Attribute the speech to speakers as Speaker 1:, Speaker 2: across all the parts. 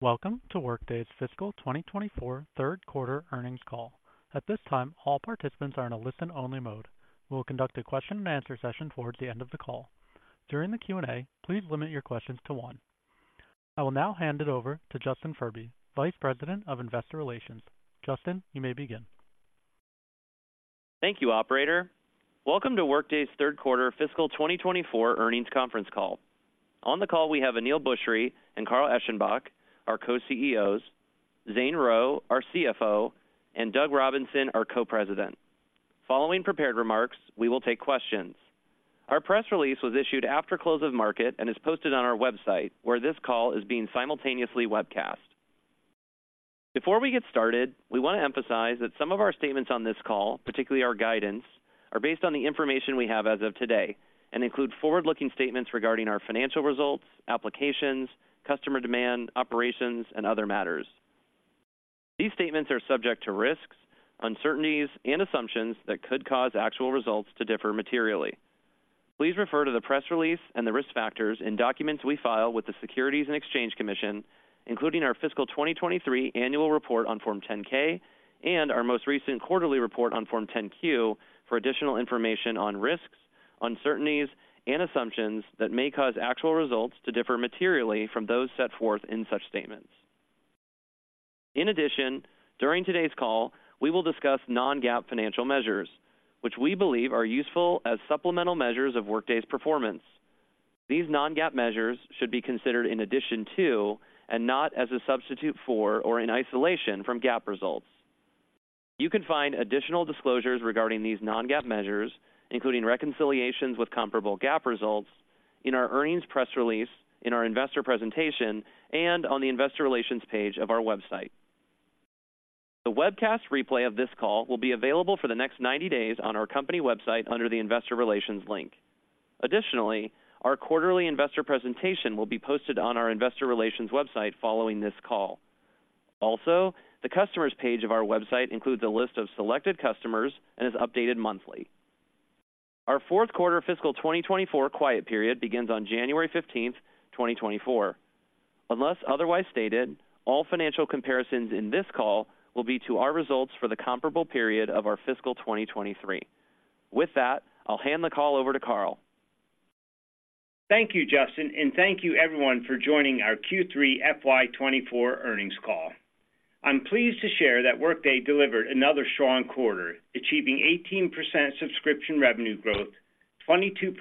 Speaker 1: Welcome to Workday's fiscal 2024 Third Quarter Earnings Call. At this time, all participants are in a listen-only mode. We will conduct a question-and-answer session towards the end of the call. During the Q&A, please limit your questions to one. I will now hand it over to Justin Furby, Vice President of Investor Relations. Justin, you may begin.
Speaker 2: Thank you, operator. Welcome to Workday's third quarter fiscal 2024 earnings conference call. On the call, we have Aneel Bhusri and Carl Eschenbach, our Co-CEOs, Zane Rowe, our CFO, and Doug Robinson, our Co-President. Following prepared remarks, we will take questions. Our press release was issued after close of market and is posted on our website, where this call is being simultaneously webcast. Before we get started, we want to emphasize that some of our statements on this call, particularly our guidance, are based on the information we have as of today and include forward-looking statements regarding our financial results, applications, customer demand, operations, and other matters. These statements are subject to risks, uncertainties and assumptions that could cause actual results to differ materially. Please refer to the press release and the risk factors in documents we file with the Securities and Exchange Commission, including our fiscal 2023 Annual Report on Form 10-K, and our most recent quarterly report on Form 10-Q for additional information on risks, uncertainties, and assumptions that may cause actual results to differ materially from those set forth in such statements. In addition, during today's call, we will discuss non-GAAP financial measures, which we believe are useful as supplemental measures of Workday's performance. These non-GAAP measures should be considered in addition to, and not as a substitute for or in isolation from GAAP results. You can find additional disclosures regarding these non-GAAP measures, including reconciliations with comparable GAAP results in our earnings press release, in our investor presentation, and on the investor relations page of our website. The webcast replay of this call will be available for the next 90 days on our company website under the Investor Relations link. Additionally, our quarterly investor presentation will be posted on our investor relations website following this call. Also, the customers page of our website includes a list of selected customers and is updated monthly. Our fourth quarter fiscal 2024 quiet period begins on January 15th, 2024. Unless otherwise stated, all financial comparisons in this call will be to our results for the comparable period of our fiscal 2023. With that, I'll hand the call over to Carl.
Speaker 3: Thank you, Justin, and thank you everyone for joining our Q3 FY 2024 earnings call. I'm pleased to share that Workday delivered another strong quarter, achieving 18% subscription revenue growth, 22%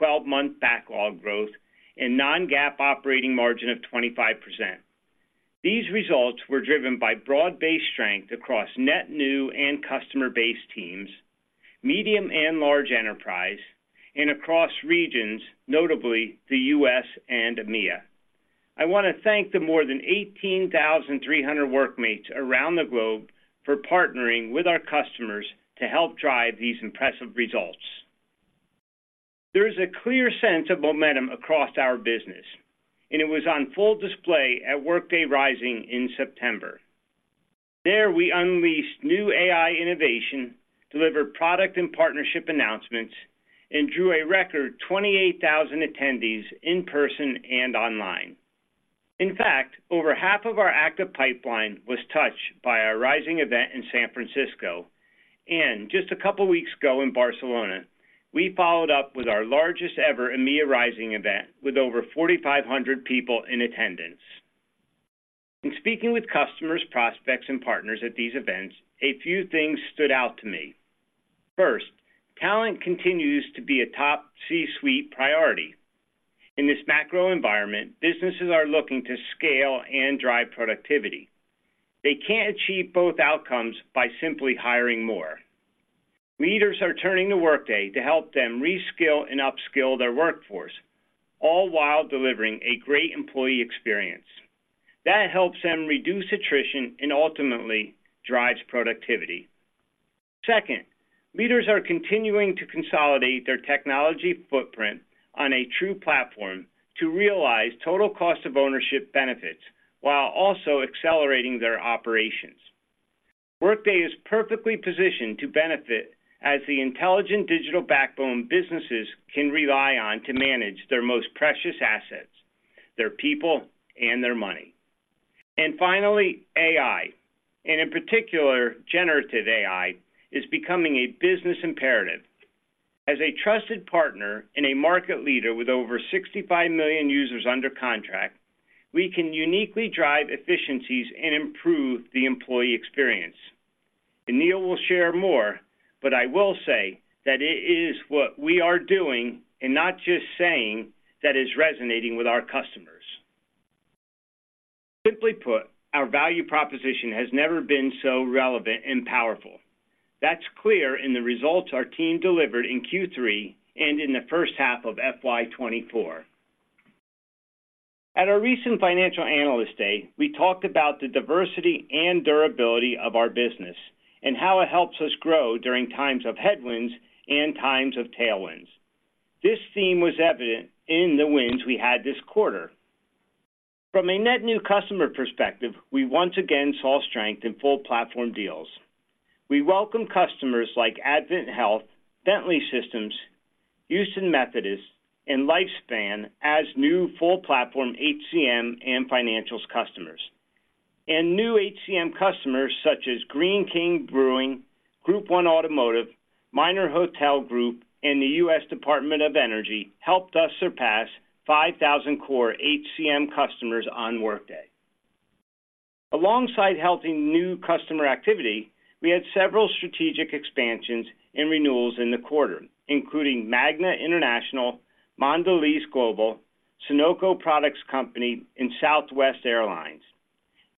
Speaker 3: 12-month backlog growth, and non-GAAP operating margin of 25%. These results were driven by broad-based strength across net new and customer base teams, medium and large enterprise, and across regions, notably the U.S. and EMEA. I want to thank the more than 18,300 workmates around the globe for partnering with our customers to help drive these impressive results. There is a clear sense of momentum across our business, and it was on full display at Workday Rising in September. There, we unleashed new AI innovation, delivered product and partnership announcements, and drew a record 28,000 attendees in person and online. In fact, over half of our active pipeline was touched by our Rising event in San Francisco, and just a couple weeks ago in Barcelona, we followed up with our largest ever EMEA Rising event, with over 4,500 people in attendance. In speaking with customers, prospects, and partners at these events, a few things stood out to me. First, talent continues to be a top C-suite priority. In this macro environment, businesses are looking to scale and drive productivity. They can't achieve both outcomes by simply hiring more. Leaders are turning to Workday to help them reskill and upskill their workforce, all while delivering a great employee experience that helps them reduce attrition and ultimately drives productivity. Second, leaders are continuing to consolidate their technology footprint on a true platform to realize total cost of ownership benefits while also accelerating their operations. Workday is perfectly positioned to benefit as the intelligent digital backbone businesses can rely on to manage their most precious assets, their people, and their money. And finally, AI, and in particular, generative AI, is becoming a business imperative. As a trusted partner and a market leader with over 65 million users under contract, we can uniquely drive efficiencies and improve the employee experience. Aneel will share more, but I will say that it is what we are doing, and not just saying, that is resonating with our customers. Simply put, our value proposition has never been so relevant and powerful. That's clear in the results our team delivered in Q3 and in the first half of FY 2024. At our recent Financial Analyst Day, we talked about the diversity and durability of our business and how it helps us grow during times of headwinds and times of tailwinds. This theme was evident in the wins we had this quarter. From a net new customer perspective, we once again saw strength in full platform deals. We welcome customers like AdventHealth, Bentley Systems, Houston Methodist, and Lifespan as new full-platform HCM and Financials customers. New HCM customers, such as Greene King, Group 1 Automotive, Minor Hotels, and the U.S. Department of Energy, helped us surpass 5,000 core HCM customers on Workday. Alongside healthy new customer activity, we had several strategic expansions and renewals in the quarter, including Magna International, Mondelēz International, Sunoco, and Southwest Airlines.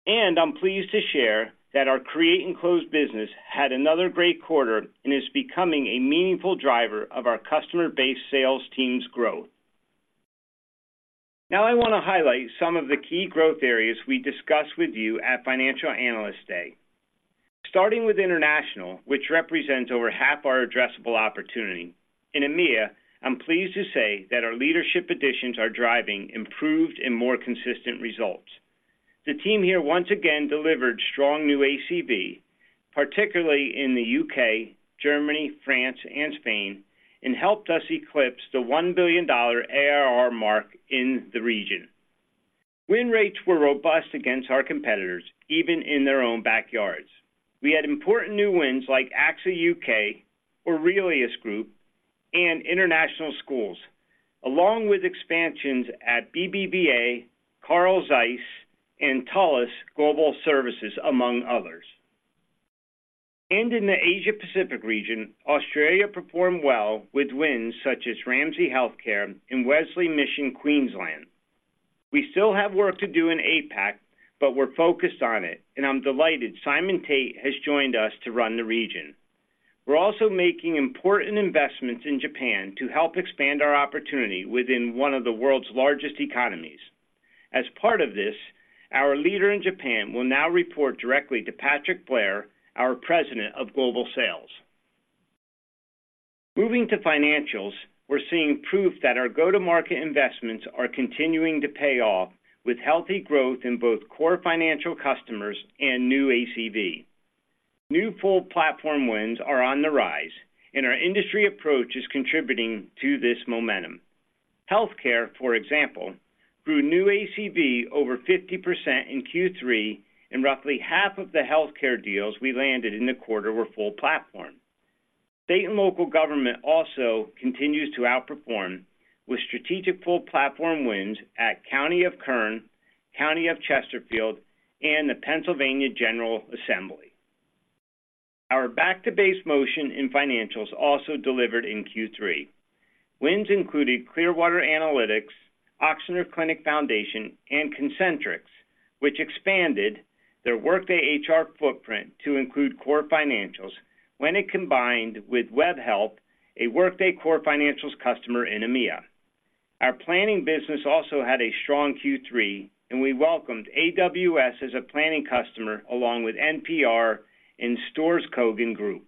Speaker 3: I'm pleased to share that our create-and-close business had another great quarter and is becoming a meaningful driver of our customer base sales team's growth. Now, I want to highlight some of the key growth areas we discussed with you at Financial Analyst Day. Starting with international, which represents over half our addressable opportunity. In EMEA, I'm pleased to say that our leadership additions are driving improved and more consistent results. The team here once again delivered strong new ACV, particularly in the UK, Germany, France, and Spain, and helped us eclipse the $1 billion ARR mark in the region. Win rates were robust against our competitors, even in their own backyards. We had important new wins like AXA UK, Aurelius Group, and International Schools, along with expansions at BBVA, Carl Zeiss, and Thales Global Services, among others. In the Asia Pacific region, Australia performed well with wins such as Ramsay Health Care and Wesley Mission Queensland. We still have work to do in APAC, but we're focused on it, and I'm delighted Simon Tait has joined us to run the region. We're also making important investments in Japan to help expand our opportunity within one of the world's largest economies. As part of this, our leader in Japan will now report directly to Patrick Blair, our President of Global Sales. Moving to financials, we're seeing proof that our go-to-market investments are continuing to pay off with healthy growth in both core financial customers and new ACV. New full-platform wins are on the rise, and our industry approach is contributing to this momentum. Healthcare, for example, grew new ACV over 50% in Q3, and roughly half of the healthcare deals we landed in the quarter were full-platform. State and local government also continues to outperform with strategic full-platform wins at County of Kern, County of Chesterfield, and the Pennsylvania General Assembly. Our back-to-base motion in financials also delivered in Q3. Wins included Clearwater Analytics, Ochsner Clinic Foundation, and Concentrix, which expanded their Workday HR footprint to include core financials when it combined with Webhelp, a Workday core financials customer in EMEA. Our planning business also had a strong Q3, and we welcomed AWS as a planning customer, along with NPR and Storskogen Group.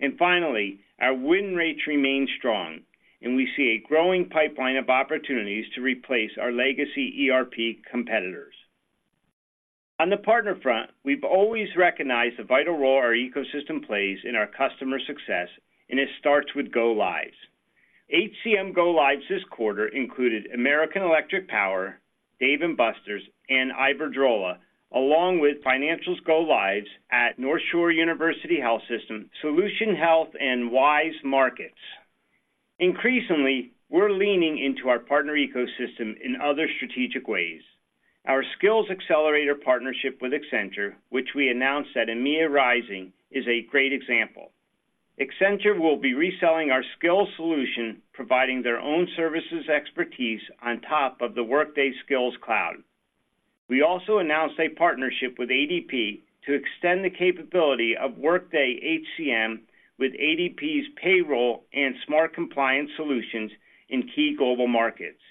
Speaker 3: And finally, our win rates remain strong, and we see a growing pipeline of opportunities to replace our legacy ERP competitors. On the partner front, we've always recognized the vital role our ecosystem plays in our customer success, and it starts with go-lives. HCM go-lives this quarter included American Electric Power, Dave & Buster's, and Iberdrola, along with Financials go-lives at NorthShore University HealthSystem, SolutionHealth, and Weis Markets. Increasingly, we're leaning into our partner ecosystem in other strategic ways. Our Skills Accelerator partnership with Accenture, which we announced at EMEA Rising, is a great example. Accenture will be reselling our skills solution, providing their own services expertise on top of the Workday Skills Cloud. We also announced a partnership with ADP to extend the capability of Workday HCM with ADP's payroll and smart compliance solutions in key global markets.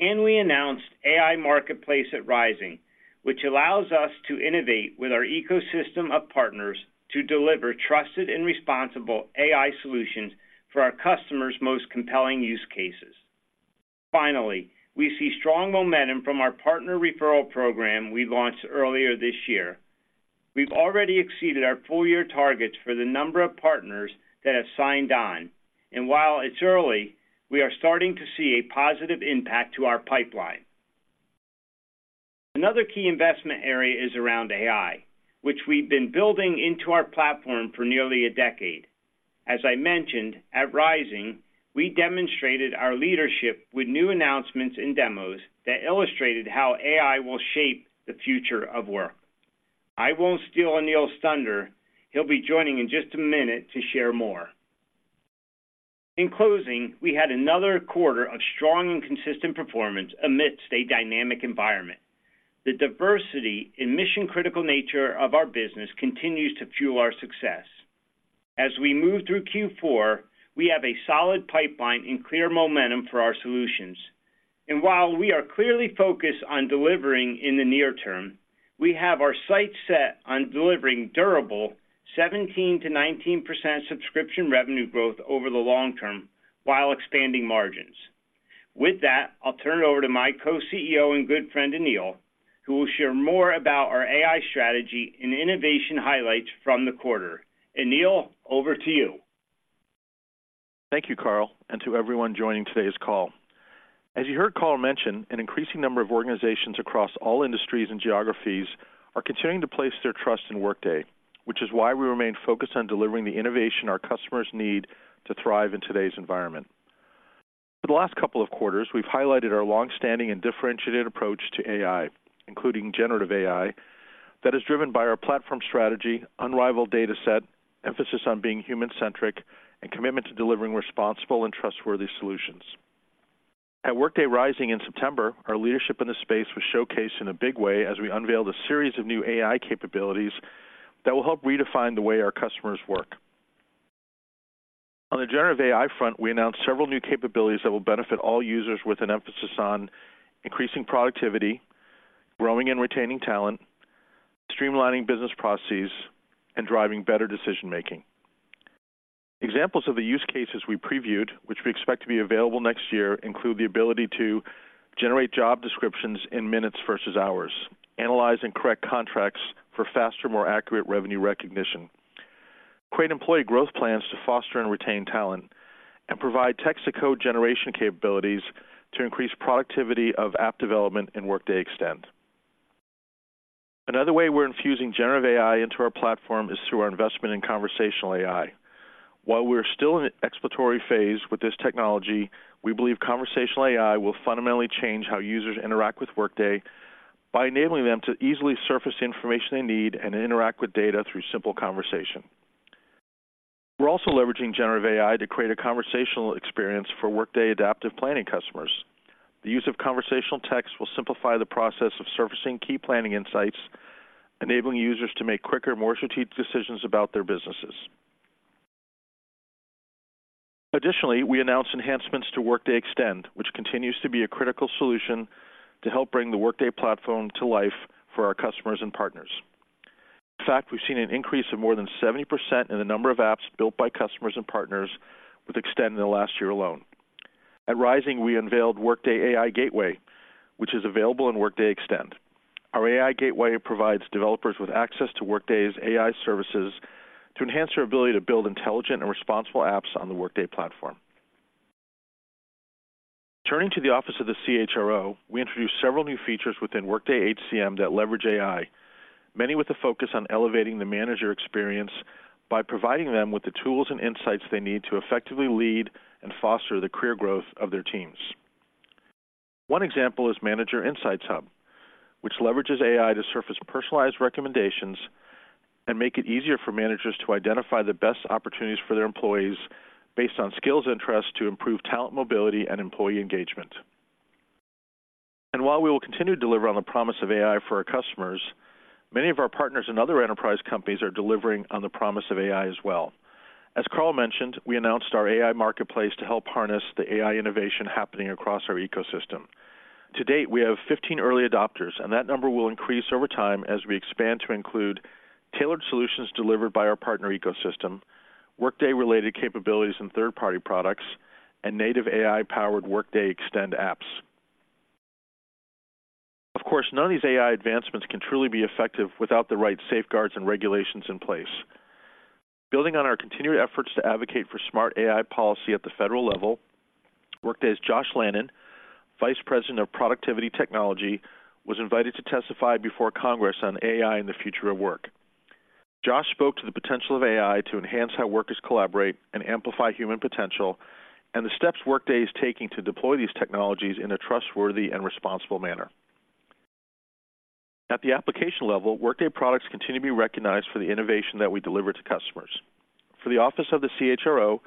Speaker 3: And we announced AI Marketplace at Rising, which allows us to innovate with our ecosystem of partners to deliver trusted and responsible AI solutions for our customers' most compelling use cases. Finally, we see strong momentum from our partner referral program we launched earlier this year. We've already exceeded our full-year targets for the number of partners that have signed on, and while it's early, we are starting to see a positive impact to our pipeline. Another key investment area is around AI, which we've been building into our platform for nearly a decade. As I mentioned, at Rising, we demonstrated our leadership with new announcements and demos that illustrated how AI will shape the future of work. I won't steal Aneel's thunder. He'll be joining in just a minute to share more. In closing, we had another quarter of strong and consistent performance amidst a dynamic environment. The diversity and mission-critical nature of our business continues to fuel our success. As we move through Q4, we have a solid pipeline and clear momentum for our solutions. And while we are clearly focused on delivering in the near term, we have our sights set on delivering durable 17%-19% subscription revenue growth over the long term while expanding margins. With that, I'll turn it over to my co-CEO and good friend, Aneel, who will share more about our AI strategy and innovation highlights from the quarter. Aneel, over to you.
Speaker 4: Thank you, Carl, and to everyone joining today's call. As you heard Carl mention, an increasing number of organizations across all industries and geographies are continuing to place their trust in Workday, which is why we remain focused on delivering the innovation our customers need to thrive in today's environment. For the last couple of quarters, we've highlighted our long-standing and differentiated approach to AI, including generative AI, that is driven by our platform strategy, unrivaled data set, emphasis on being human-centric, and commitment to delivering responsible and trustworthy solutions. At Workday Rising in September, our leadership in this space was showcased in a big way as we unveiled a series of new AI capabilities that will help redefine the way our customers work. On the generative AI front, we announced several new capabilities that will benefit all users, with an emphasis on increasing productivity, growing and retaining talent, streamlining business processes, and driving better decision-making. Examples of the use cases we previewed, which we expect to be available next year, include the ability to generate job descriptions in minutes versus hours, analyze and correct contracts for faster, more accurate revenue recognition, create employee growth plans to foster and retain talent, and provide text-to-code generation capabilities to increase productivity of app development in Workday Extend. Another way we're infusing generative AI into our platform is through our investment in conversational AI. While we're still in an exploratory phase with this technology, we believe conversational AI will fundamentally change how users interact with Workday by enabling them to easily surface the information they need and interact with data through simple conversation. We're also leveraging generative AI to create a conversational experience for Workday Adaptive Planning customers. The use of conversational text will simplify the process of surfacing key planning insights, enabling users to make quicker, more strategic decisions about their businesses. Additionally, we announced enhancements to Workday Extend, which continues to be a critical solution to help bring the Workday platform to life for our customers and partners. In fact, we've seen an increase of more than 70% in the number of apps built by customers and partners with Extend in the last year alone. At Rising, we unveiled Workday AI Gateway, which is available in Workday Extend. Our AI Gateway provides developers with access to Workday's AI services to enhance their ability to build intelligent and responsible apps on the Workday platform. Turning to the office of the CHRO, we introduced several new features within Workday HCM that leverage AI, many with a focus on elevating the manager experience by providing them with the tools and insights they need to effectively lead and foster the career growth of their teams. One example is Manager Insights Hub, which leverages AI to surface personalized recommendations and make it easier for managers to identify the best opportunities for their employees based on skills and interests, to improve talent, mobility, and employee engagement. And while we will continue to deliver on the promise of AI for our customers, many of our partners and other enterprise companies are delivering on the promise of AI as well. As Carl mentioned, we announced our AI Marketplace to help harness the AI innovation happening across our ecosystem. To date, we have 15 early adopters, and that number will increase over time as we expand to include tailored solutions delivered by our partner ecosystem, Workday-related capabilities and third-party products, and native AI-powered Workday Extend apps. Of course, none of these AI advancements can truly be effective without the right safeguards and regulations in place. Building on our continued efforts to advocate for smart AI policy at the federal level, Workday's Josh Lannin, Vice President of Productivity Technology, was invited to testify before Congress on AI and the future of work. Josh spoke to the potential of AI to enhance how workers collaborate and amplify human potential, and the steps Workday is taking to deploy these technologies in a trustworthy and responsible manner. At the application level, Workday products continue to be recognized for the innovation that we deliver to customers. For the office of the CHRO,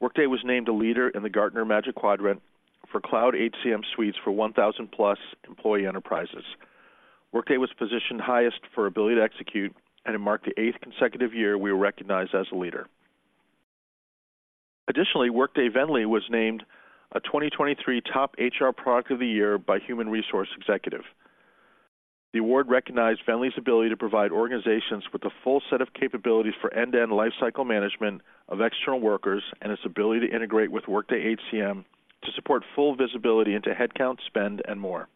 Speaker 4: Workday was named a leader in the Gartner Magic Quadrant for Cloud HCM Suites for 1,000+ employee enterprises. Workday was positioned highest for ability to execute, and it marked the eighth consecutive year we were recognized as a leader. Additionally, Workday VNDLY was named a 2023 top HR Product of the Year by Human Resource Executive. The award recognized VNDLY's ability to provide organizations with a full set of capabilities for end-to-end lifecycle management of external workers and its ability to integrate with Workday HCM to support full visibility into headcount, spend, and more.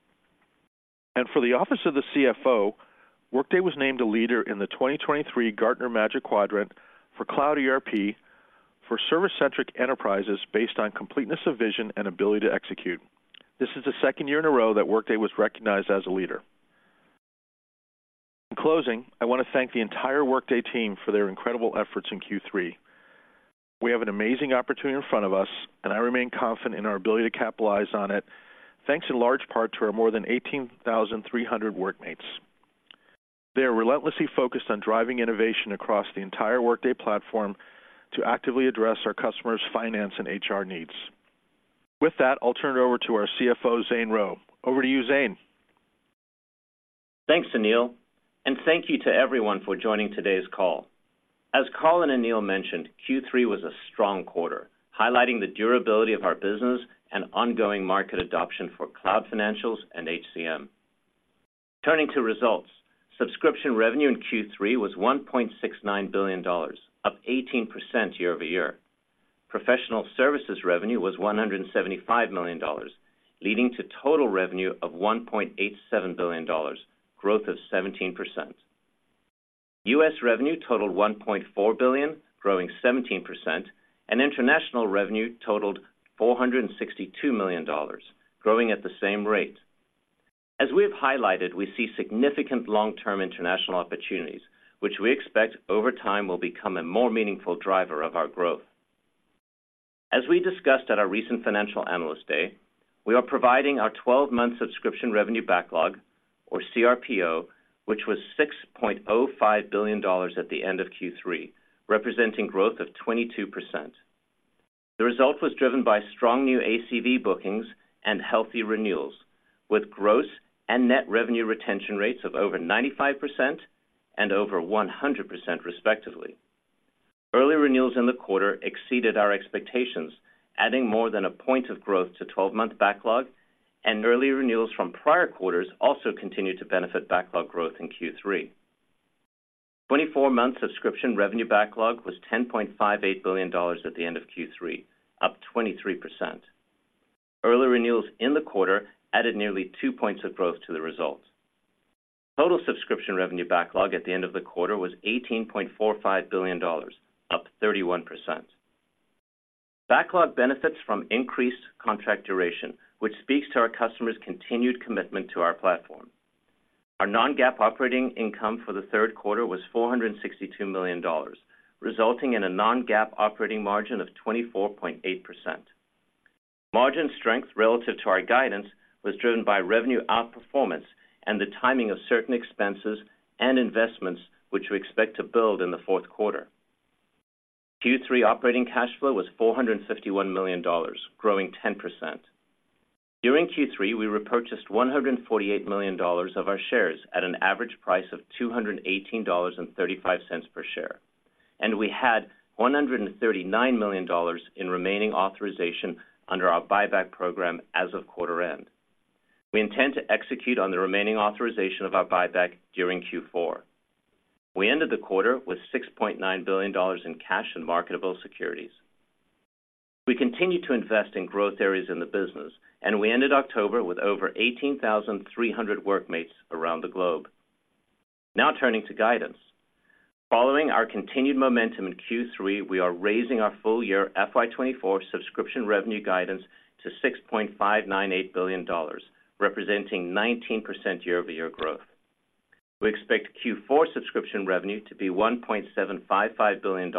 Speaker 4: For the office of the CFO, Workday was named a leader in the 2023 Gartner Magic Quadrant for Cloud ERP for service-centric enterprises based on completeness of vision and ability to execute. This is the second year in a row that Workday was recognized as a leader. In closing, I want to thank the entire Workday team for their incredible efforts in Q3. We have an amazing opportunity in front of us, and I remain confident in our ability to capitalize on it, thanks in large part to our more than 18,300 Workmates. They are relentlessly focused on driving innovation across the entire Workday platform to actively address our customers' finance and HR needs. With that, I'll turn it over to our CFO, Zane Rowe. Over to you, Zane.
Speaker 5: Thanks, Aneel, and thank you to everyone for joining today's call. As Carl and Aneel mentioned, Q3 was a strong quarter, highlighting the durability of our business and ongoing market adoption for cloud financials and HCM.... Turning to results. Subscription revenue in Q3 was $1.69 billion, up 18% year-over-year. Professional services revenue was $175 million, leading to total revenue of $1.87 billion, growth of 17%. US revenue totaled $1.4 billion, growing 17%, and international revenue totaled $462 million, growing at the same rate. As we have highlighted, we see significant long-term international opportunities, which we expect over time will become a more meaningful driver of our growth. As we discussed at our recent Financial Analyst Day, we are providing our 12-month subscription revenue backlog, or CRPO, which was $6.05 billion at the end of Q3, representing growth of 22%. The result was driven by strong new ACV bookings and healthy renewals, with gross and net revenue retention rates of over 95% and over 100%, respectively. Early renewals in the quarter exceeded our expectations, adding more than a point of growth to 12-month backlog, and early renewals from prior quarters also continued to benefit backlog growth in Q3. 24-month subscription revenue backlog was $10.58 billion at the end of Q3, up 23%. Early renewals in the quarter added nearly two points of growth to the results. Total subscription revenue backlog at the end of the quarter was $18.45 billion, up 31%. Backlog benefits from increased contract duration, which speaks to our customers' continued commitment to our platform. Our non-GAAP operating income for the third quarter was $462 million, resulting in a non-GAAP operating margin of 24.8%. Margin strength relative to our guidance was driven by revenue outperformance and the timing of certain expenses and investments, which we expect to build in the fourth quarter. Q3 operating cash flow was $451 million, growing 10%. During Q3, we repurchased $148 million of our shares at an average price of $218.35 per share, and we had $139 million in remaining authorization under our buyback program as of quarter end. We intend to execute on the remaining authorization of our buyback during Q4. We ended the quarter with $6.9 billion in cash and marketable securities. We continue to invest in growth areas in the business, and we ended October with over 18,300 workmates around the globe. Now, turning to guidance. Following our continued momentum in Q3, we are raising our full-year FY 2024 subscription revenue guidance to $6.598 billion, representing 19% year-over-year growth. We expect Q4 subscription revenue to be $1.755 billion,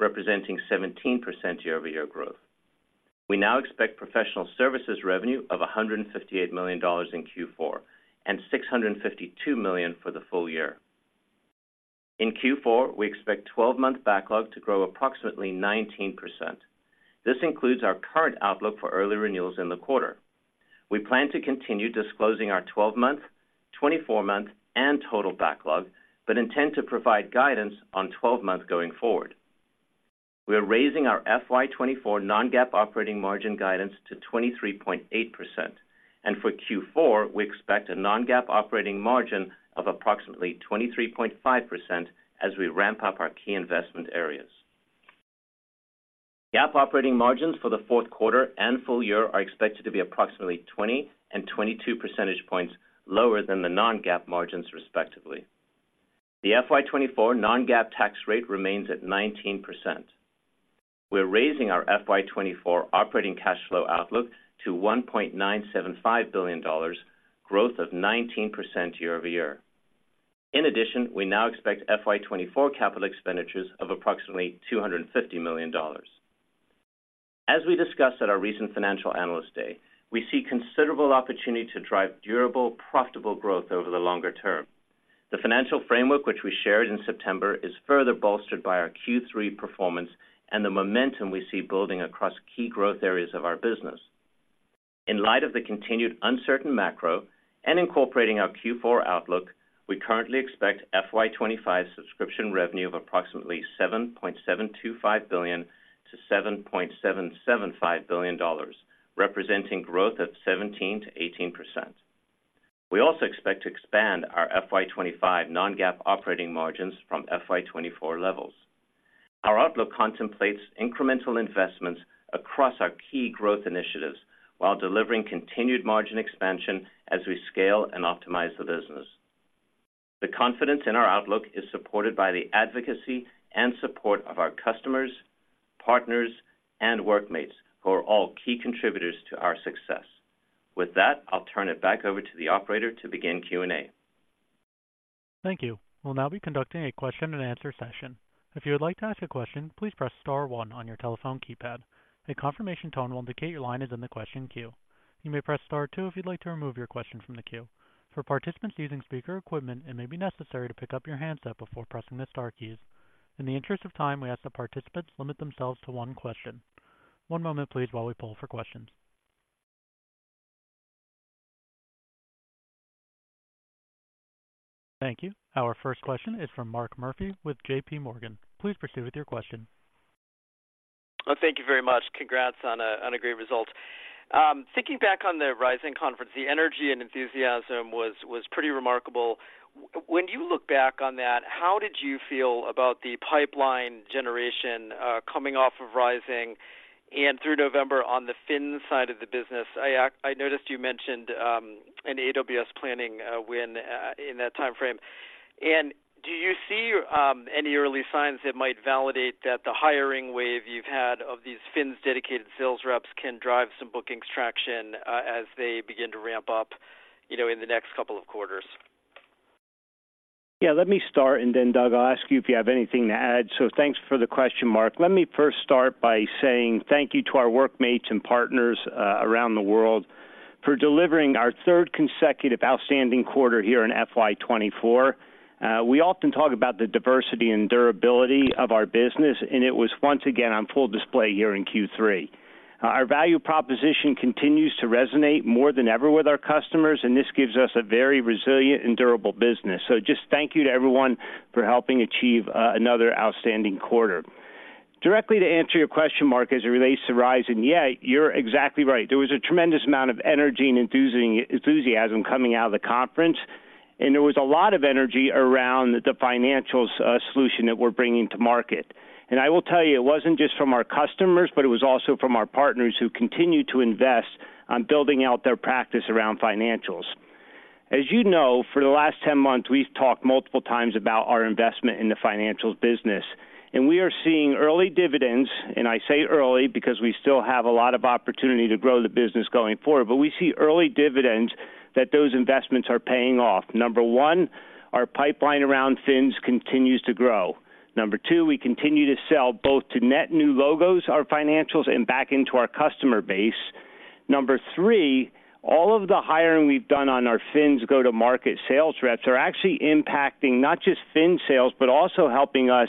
Speaker 5: representing 17% year-over-year growth. We now expect professional services revenue of $158 million in Q4 and $652 million for the full year. In Q4, we expect 12-month backlog to grow approximately 19%. This includes our current outlook for early renewals in the quarter. We plan to continue disclosing our twelve-month, twenty-four-month, and total backlog, but intend to provide guidance on 12-month going forward. We are raising our FY 2024 non-GAAP operating margin guidance to 23.8%, and for Q4, we expect a non-GAAP operating margin of approximately 23.5% as we ramp up our key investment areas. GAAP operating margins for the fourth quarter and full year are expected to be approximately 20 and 22 percentage points lower than the non-GAAP margins, respectively. The FY 2024 non-GAAP tax rate remains at 19%. We're raising our FY 2024 operating cash flow outlook to $1.975 billion, growth of 19% year-over-year. In addition, we now expect FY 2024 capital expenditures of approximately $250 million. As we discussed at our recent Financial Analyst Day, we see considerable opportunity to drive durable, profitable growth over the longer term. The financial framework, which we shared in September, is further bolstered by our Q3 performance and the momentum we see building across key growth areas of our business. In light of the continued uncertain macro and incorporating our Q4 outlook, we currently expect FY 2025 subscription revenue of approximately $7.725 billion-$7.775 billion, representing growth of 17%-18%. We also expect to expand our FY 2025 non-GAAP operating margins from FY 2024 levels. Our outlook contemplates incremental investments across our key growth initiatives while delivering continued margin expansion as we scale and optimize the business. The confidence in our outlook is supported by the advocacy and support of our customers, partners, and workmates, who are all key contributors to our success. With that, I'll turn it back over to the operator to begin Q&A.
Speaker 1: Thank you. We'll now be conducting a question-and-answer session. If you would like to ask a question, please press star one on your telephone keypad. A confirmation tone will indicate your line is in the question queue. You may press Star two if you'd like to remove your question from the queue. For participants using speaker equipment, it may be necessary to pick up your handset before pressing the star keys. In the interest of time, we ask that participants limit themselves to one question. One moment, please, while we pull for questions. Thank you. Our first question is from Mark Murphy with JPMorgan. Please proceed with your question.
Speaker 6: Well, thank you very much. Congrats on a great result. Thinking back on the Rising conference, the energy and enthusiasm was pretty remarkable. When you look back on that, how did you feel about the pipeline generation coming off of Rising and through November on the Fins side of the business? I noticed you mentioned an AWS planning win in that time frame. And do you see any early signs that might validate that the hiring wave you've had of these Fins dedicated sales reps can drive some bookings traction as they begin to ramp up, you know, in the next couple of quarters?
Speaker 3: Yeah, let me start, and then, Doug, I'll ask you if you have anything to add. So thanks for the question, Mark. Let me first start by saying thank you to our workmates and partners around the world for delivering our third consecutive outstanding quarter here in FY 2024. We often talk about the diversity and durability of our business, and it was once again on full display here in Q3. Our value proposition continues to resonate more than ever with our customers, and this gives us a very resilient and durable business. So just thank you to everyone for helping achieve another outstanding quarter. Directly to answer your question, Mark, as it relates to Rising, yeah, you're exactly right. There was a tremendous amount of energy and enthusiasm coming out of the conference, and there was a lot of energy around the financials solution that we're bringing to market. And I will tell you, it wasn't just from our customers, but it was also from our partners, who continued to invest on building out their practice around financials. As you know, for the last 10 months, we've talked multiple times about our investment in the financials business, and we are seeing early dividends, and I say early because we still have a lot of opportunity to grow the business going forward, but we see early dividends that those investments are paying off. Number one, our pipeline around Fins continues to grow. Number two, we continue to sell both to net new logos, our financials, and back into our customer base. Number three, all of the hiring we've done on our Fins go-to-market sales reps are actually impacting not just Fins sales, but also helping us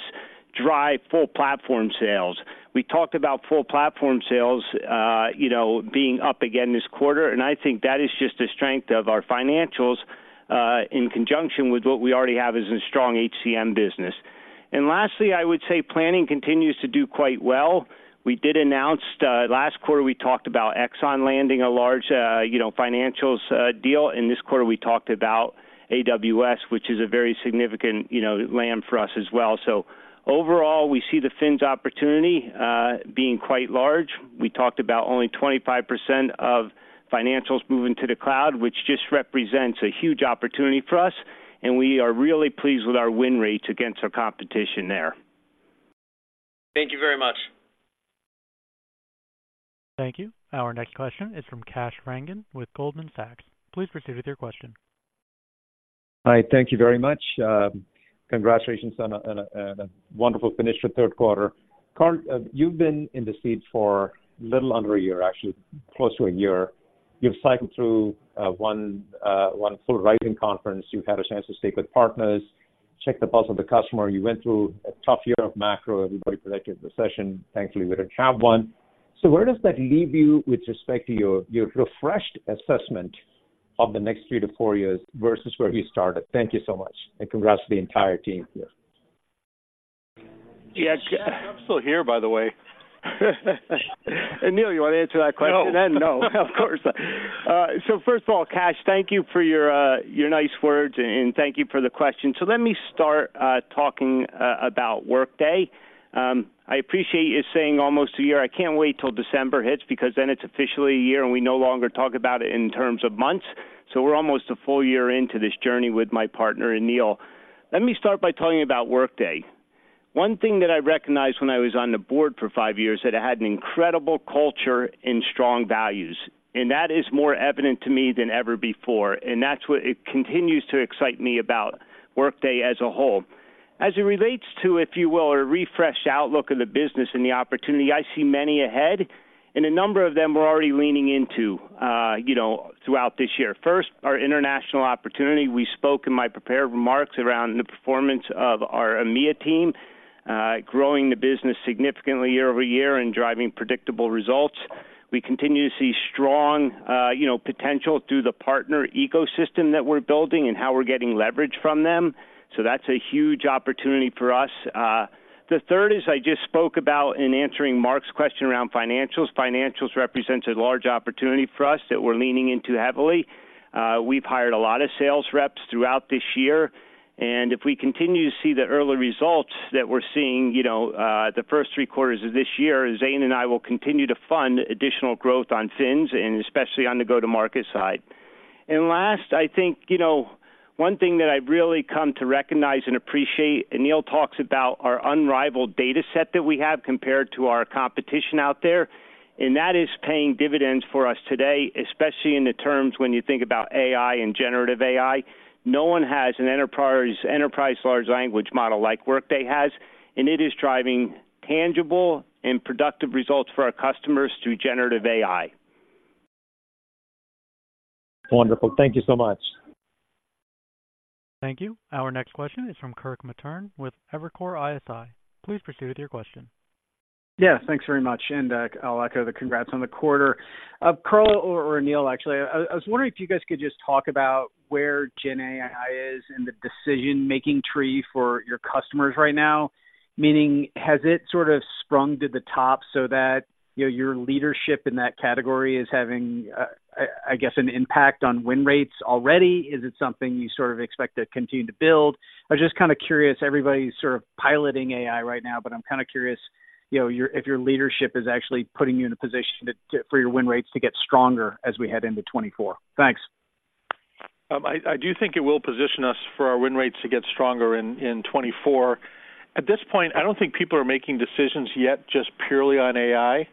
Speaker 3: drive full platform sales. We talked about full platform sales, you know, being up again this quarter, and I think that is just a strength of our financials, in conjunction with what we already have as a strong HCM business. And lastly, I would say planning continues to do quite well. We did announce, last quarter, we talked about Exxon landing a large, you know, financials, deal. In this quarter, we talked about AWS, which is a very significant, you know, land for us as well. So overall, we see the Fins opportunity, being quite large. We talked about only 25% of financials moving to the cloud, which just represents a huge opportunity for us, and we are really pleased with our win rates against our competition there.
Speaker 6: Thank you very much.
Speaker 1: Thank you. Our next question is from Kash Rangan with Goldman Sachs. Please proceed with your question.
Speaker 7: Hi, thank you very much. Congratulations on a wonderful finish for third quarter. Carl, you've been in the seat for little under a year, actually close to a year. You've cycled through one full Rising conference. You've had a chance to speak with partners, check the pulse of the customer. You went through a tough year of macro. Everybody predicted a recession. Thankfully, we didn't have one. So where does that leave you with respect to your refreshed assessment of the next three-four years versus where we started? Thank you so much, and congrats to the entire team here.
Speaker 3: Yeah, Kash-
Speaker 7: I'm still here, by the way.
Speaker 3: Aneel, you want to answer that question then?
Speaker 4: No.
Speaker 3: No, of course. So first of all, Kash, thank you for your, your nice words, and thank you for the question. So let me start, talking about Workday. I appreciate you saying almost a year. I can't wait till December hits, because then it's officially a year, and we no longer talk about it in terms of months. So we're almost a full year into this journey with my partner, Aneel. Let me start by telling you about Workday. One thing that I recognized when I was on the board for five years, that it had an incredible culture and strong values, and that is more evident to me than ever before, and that's what it continues to excite me about Workday as a whole. As it relates to, if you will, a refreshed outlook of the business and the opportunity, I see many ahead, and a number of them we're already leaning into, you know, throughout this year. First, our international opportunity. We spoke in my prepared remarks around the performance of our EMEA team, growing the business significantly year over year and driving predictable results. We continue to see strong, you know, potential through the partner ecosystem that we're building and how we're getting leverage from them, so that's a huge opportunity for us. The third is, I just spoke about in answering Mark's question around financials. Financials represents a large opportunity for us that we're leaning into heavily. We've hired a lot of sales reps throughout this year, and if we continue to see the early results that we're seeing, you know, the first three quarters of this year, Zane and I will continue to fund additional growth on Fins and especially on the go-to-market side. And last, I think, you know, one thing that I've really come to recognize and appreciate, Aneel talks about our unrivaled data set that we have compared to our competition out there, and that is paying dividends for us today, especially in the terms when you think about AI and generative AI. No one has an enterprise, enterprise large language model like Workday has, and it is driving tangible and productive results for our customers through generative AI.
Speaker 7: Wonderful. Thank you so much.
Speaker 1: Thank you. Our next question is from Kirk Materne with Evercore ISI. Please proceed with your question.
Speaker 8: Yeah, thanks very much, and I'll echo the congrats on the quarter. Carl or Aneel, actually, I was wondering if you guys could just talk about where GenAI is in the decision-making tree for your customers right now? Meaning, has it sort of sprung to the top so that, you know, your leadership in that category is having, I guess, an impact on win rates already? Is it something you sort of expect to continue to build? I was just kind of curious. Everybody's sort of piloting AI right now, but I'm kind of curious, you know, your if your leadership is actually putting you in a position to for your win rates to get stronger as we head into 2024. Thanks.
Speaker 3: I do think it will position us for our win rates to get stronger in 2024. At this point, I don't think people are making decisions yet just purely on AI.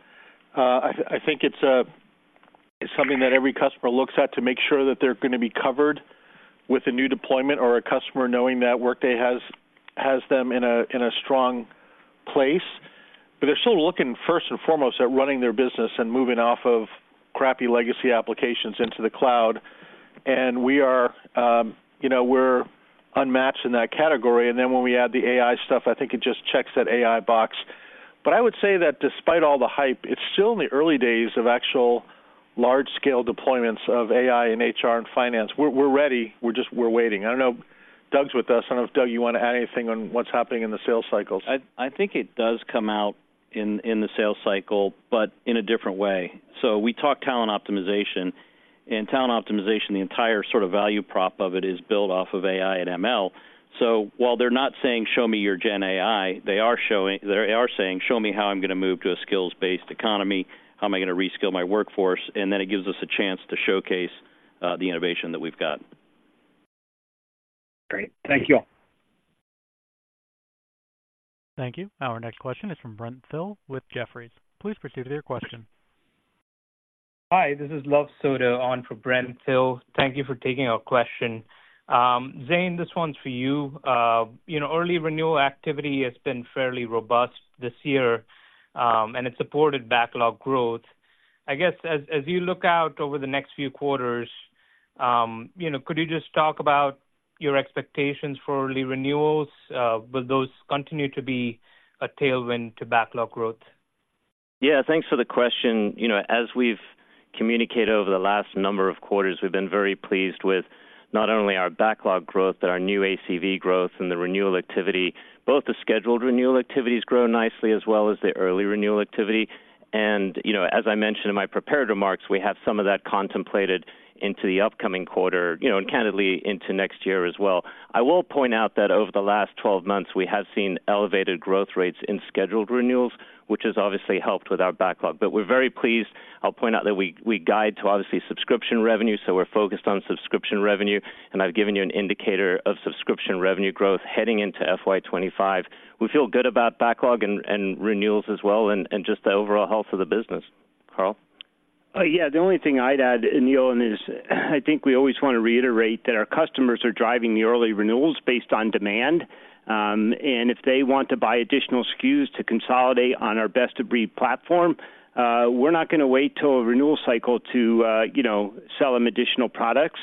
Speaker 3: I think it's something that every customer looks at to make sure that they're going to be covered with a new deployment or a customer knowing that Workday has them in a strong place. But they're still looking first and foremost at running their business and moving off of crappy legacy applications into the cloud. And we are, you know, we're unmatched in that category. And then when we add the AI stuff, I think it just checks that AI box. But I would say that despite all the hype, it's still in the early days of actual large-scale deployments of AI in HR and finance. We're ready. We're just waiting. I don't know. Doug's with us. I don't know if, Doug, you want to add anything on what's happening in the sales cycles.
Speaker 9: I think it does come out in the sales cycle, but in a different way. So we talk Talent Optimization. In Talent Optimization, the entire sort of value prop of it is built off of AI and ML. So while they're not saying, "Show me your Gen AI," they are saying: "Show me how I'm going to move to a skills-based economy. How am I going to reskill my workforce?" And then it gives us a chance to showcase the innovation that we've got.
Speaker 8: Great. Thank you.
Speaker 1: Thank you. Our next question is from Brent Thill with Jefferies. Please proceed with your question.
Speaker 10: Hi, this is Luv Sodha on for Brent Thill. Thank you for taking our question. Zane, this one's for you. You know, early renewal activity has been fairly robust this year, and it supported backlog growth. I guess, as you look out over the next few quarters, you know, could you just talk about your expectations for early renewals? Will those continue to be a tailwind to backlog growth?
Speaker 5: Yeah, thanks for the question. You know, as we've communicated over the last number of quarters, we've been very pleased with not only our backlog growth, but our new ACV growth and the renewal activity. Both the scheduled renewal activities grow nicely, as well as the early renewal activity. And, you know, as I mentioned in my prepared remarks, we have some of that contemplated into the upcoming quarter, you know, and candidly, into next year as well. I will point out that over the last 12 months, we have seen elevated growth rates in scheduled renewals, which has obviously helped with our backlog. But we're very pleased. I'll point out that we guide to obviously subscription revenue, so we're focused on subscription revenue, and I've given you an indicator of subscription revenue growth heading into FY 2025. We feel good about backlog and renewals as well, and just the overall health of the business. Carl?
Speaker 3: Yeah, the only thing I'd add, Aneel, is I think we always want to reiterate that our customers are driving the early renewals based on demand. And if they want to buy additional SKUs to consolidate on our best-of-breed platform, we're not going to wait till a renewal cycle to, you know, sell them additional products.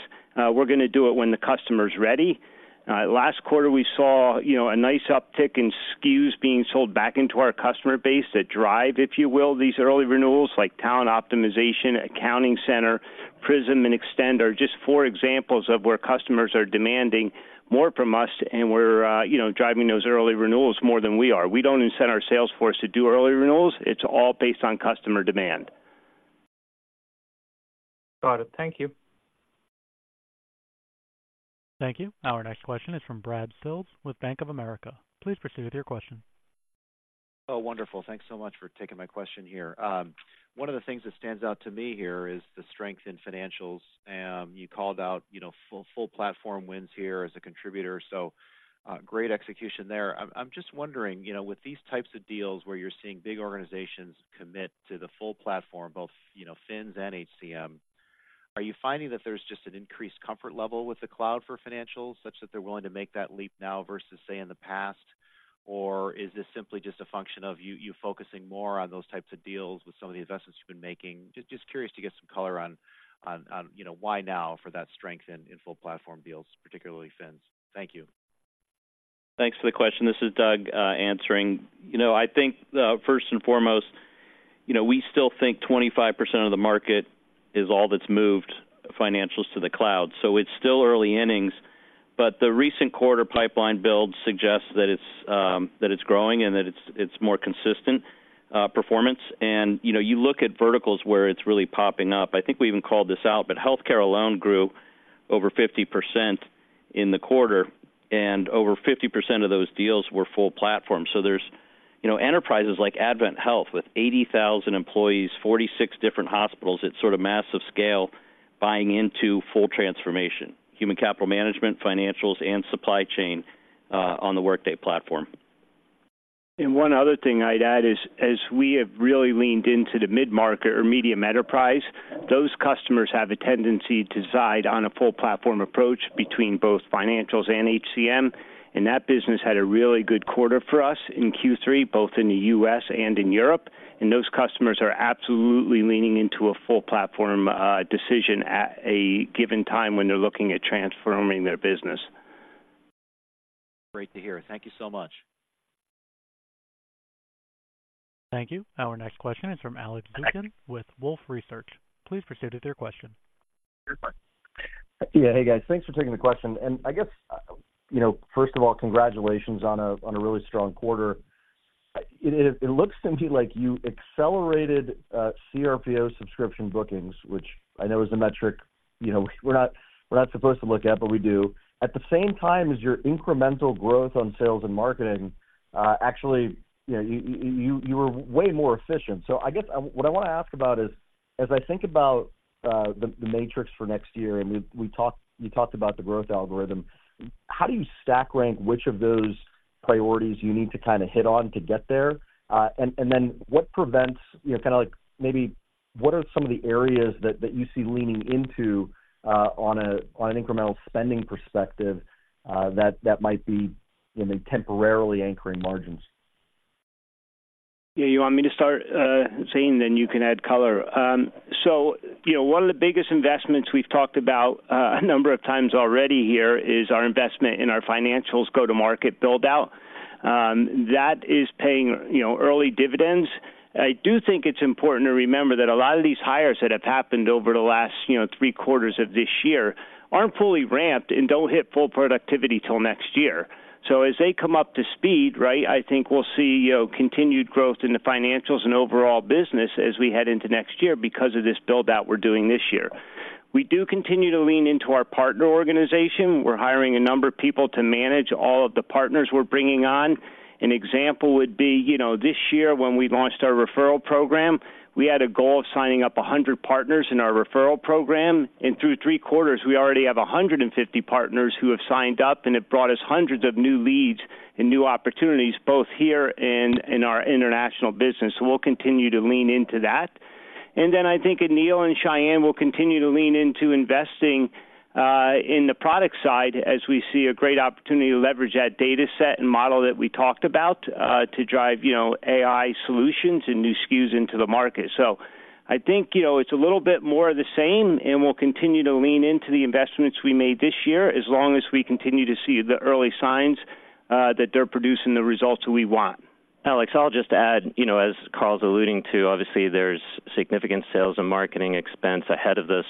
Speaker 3: Last quarter, we saw, you know, a nice uptick in SKUs being sold back into our customer base that drive, if you will, these early renewals, like Talent Optimization, Accounting Center, Prism and Extend, are just four examples of where customers are demanding more from us, and we're, you know, driving those early renewals more than we are. We don't incent our sales force to do early renewals. It's all based on customer demand.
Speaker 10: Got it. Thank you.
Speaker 1: Thank you. Our next question is from Brad Sills with Bank of America. Please proceed with your question.
Speaker 11: Oh, wonderful. Thanks so much for taking my question here. One of the things that stands out to me here is the strength in financials. You called out, you know, full platform wins here as a contributor, so, great execution there. I'm just wondering, you know, with these types of deals where you're seeing big organizations commit to the full platform, both, you know, Fins and HCM, are you finding that there's just an increased comfort level with the cloud for financials, such that they're willing to make that leap now versus, say, in the past? Or is this simply just a function of you focusing more on those types of deals with some of the investments you've been making? Just curious to get some color on, you know, why now for that strength in full platform deals, particularly Fins. Thank you.
Speaker 9: Thanks for the question. This is Doug, answering. You know, I think, first and foremost, you know, we still think 25% of the market is all that's moved financials to the cloud, so it's still early innings. But the recent quarter pipeline build suggests that it's, that it's growing and that it's, it's more consistent, performance. And, you know, you look at verticals where it's really popping up. I think we even called this out, but healthcare alone grew over 50% in the quarter, and over 50% of those deals were full platform. So there's, you know, enterprises like AdventHealth, with 80,000 employees, 46 different hospitals, it's sort of massive scale, buying into full transformation, human capital management, financials, and supply chain, on the Workday platform.
Speaker 3: One other thing I'd add is, as we have really leaned into the mid-market or medium enterprise, those customers have a tendency to decide on a full platform approach between both financials and HCM, and that business had a really good quarter for us in Q3, both in the U.S. and in Europe. Those customers are absolutely leaning into a full platform decision at a given time when they're looking at transforming their business.
Speaker 11: Great to hear. Thank you so much.
Speaker 4: Thank you. Our next question is from Alex Zukin with Wolfe Research. Please proceed with your question.
Speaker 12: Yeah. Hey, guys. Thanks for taking the question. I guess, you know, first of all, congratulations on a really strong quarter. It looks to me like you accelerated CRPO subscription bookings, which I know is a metric, you know, we're not supposed to look at, but we do. At the same time as your incremental growth on sales and marketing, actually, you know, you were way more efficient. So I guess what I want to ask about is, as I think about the matrix for next year, and we talked—you talked about the growth algorithm, how do you stack rank which of those priorities you need to kind of hit on to get there? And then what prevents, you know, kind of like, maybe what are some of the areas that you see leaning into, on an incremental spending perspective, that might be, you know, temporarily anchoring margins?
Speaker 3: Yeah, you want me to start, saying, then you can add color. So, you know, one of the biggest investments we've talked about, a number of times already here is our investment in our financials go-to-market build-out. That is paying, you know, early dividends. I do think it's important to remember that a lot of these hires that have happened over the last, you know, three quarters of this year aren't fully ramped and don't hit full productivity till next year. So as they come up to speed, right, I think we'll see, you know, continued growth in the financials and overall business as we head into next year because of this build-out we're doing this year. We do continue to lean into our partner organization. We're hiring a number of people to manage all of the partners we're bringing on. An example would be, you know, this year when we launched our referral program, we had a goal of signing up 100 partners in our referral program, and through three quarters, we already have 150 partners who have signed up, and it brought us hundreds of new leads and new opportunities, both here and in our international business. So we'll continue to lean into that. And then I think Aneel and Zane will continue to lean into investing in the product side as we see a great opportunity to leverage that data set and model that we talked about to drive, you know, AI solutions and new SKUs into the market. So I think, you know, it's a little bit more of the same, and we'll continue to lean into the investments we made this year, as long as we continue to see the early signs that they're producing the results we want.
Speaker 5: Alex, I'll just add, you know, as Carl's alluding to, obviously there's significant sales and marketing expense ahead of this.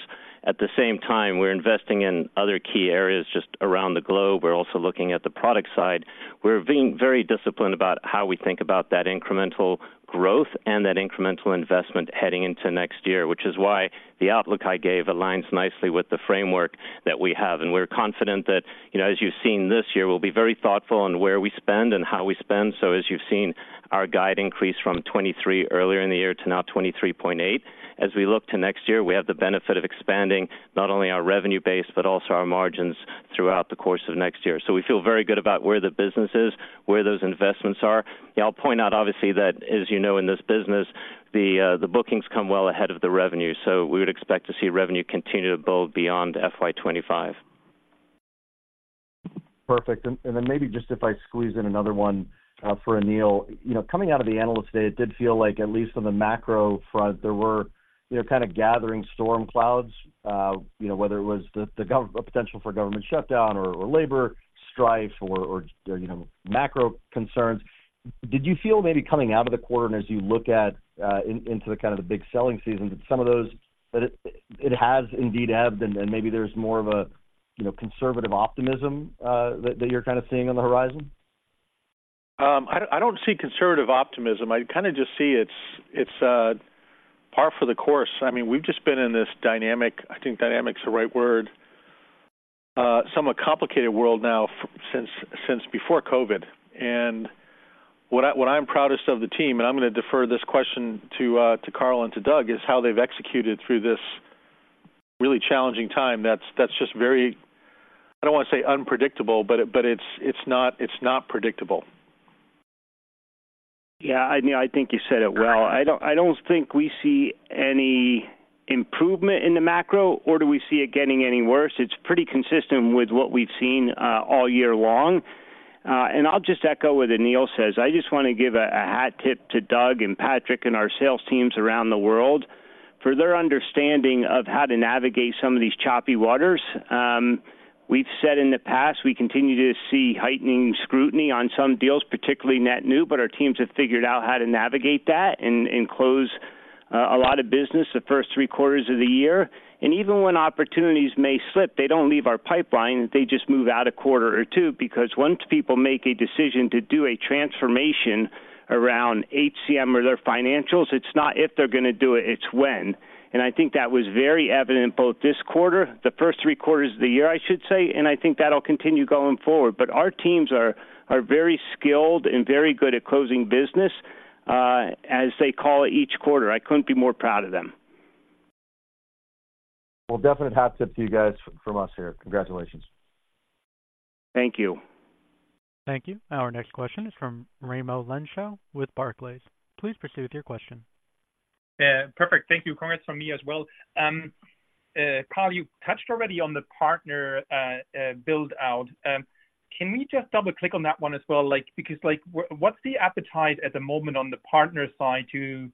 Speaker 5: At the same time, we're investing in other key areas just around the globe. We're also looking at the product side. We're being very disciplined about how we think about that incremental growth and that incremental investment heading into next year, which is why the outlook I gave aligns nicely with the framework that we have. And we're confident that, you know, as you've seen this year, we'll be very thoughtful on where we spend and how we spend. So as you've seen, our guide increased from $23 earlier in the year to now $23.8. As we look to next year, we have the benefit of expanding not only our revenue base, but also our margins throughout the course of next year. So we feel very good about where the business is, where those investments are. I'll point out, obviously, that as you know, in this business, the bookings come well ahead of the revenue, so we would expect to see revenue continue to build beyond FY 2025.
Speaker 12: Perfect. And then maybe just if I squeeze in another one for Aneel. You know, coming out of the Analyst Day, it did feel like at least on the macro front, there were, you know, kind of gathering storm clouds, you know, whether it was the potential for government shutdown or labor strife or, you know, macro concerns. Did you feel maybe coming out of the quarter and as you look into the kind of the big selling seasons, some of those that it has indeed ebbed, and maybe there's more of a, you know, conservative optimism that you're kind of seeing on the horizon?
Speaker 4: I don't see conservative optimism. I kind of just see it's part for the course. I mean, we've just been in this dynamic, I think dynamic is the right word, somewhat complicated world now since before COVID. And what I'm proudest of the team, and I'm going to defer this question to Carl and to Doug, is how they've executed through this really challenging time. That's just very, I don't want to say unpredictable, but it's not predictable.
Speaker 3: Yeah, I mean, I think you said it well. I don't think we see any improvement in the macro, or do we see it getting any worse. It's pretty consistent with what we've seen all year long. And I'll just echo what Aneel says. I just want to give a hat tip to Doug and Patrick and our sales teams around the world for their understanding of how to navigate some of these choppy waters. We've said in the past, we continue to see heightening scrutiny on some deals, particularly net new, but our teams have figured out how to navigate that and close a lot of business the first three quarters of the year. And even when opportunities may slip, they don't leave our pipeline. They just move out a quarter or two, because once people make a decision to do a transformation around HCM or their financials, it's not if they're going to do it, it's when. And I think that was very evident both this quarter, the first three quarters of the year, I should say, and I think that'll continue going forward. But our teams are very skilled and very good at closing business, as they call it, each quarter. I couldn't be more proud of them.
Speaker 12: Well, definite hat tip to you guys from us here. Congratulations.
Speaker 3: Thank you.
Speaker 1: Thank you. Our next question is from Raimo Lenschow with Barclays. Please proceed with your question.
Speaker 13: Yeah, perfect. Thank you. Congrats from me as well. Carl, you touched already on the partner build out.... Can we just double-click on that one as well? Like, because, like, what's the appetite at the moment on the partner side to